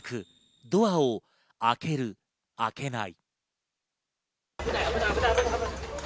ドアを開ける、開けない。